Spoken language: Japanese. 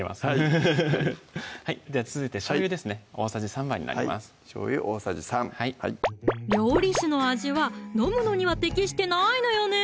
フフフでは続いてしょうゆですね大さじ３杯になりますしょうゆ大さじ３料理酒の味は飲むのには適してないのよね